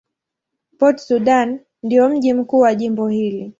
Port Sudan ndio mji mkuu wa jimbo hili.